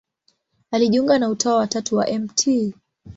Alijiunga na Utawa wa Tatu wa Mt.